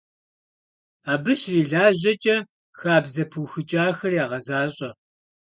Абы щрилажьэкӀэ, хабзэ пыухыкӀахэр ягъэзащӀэ.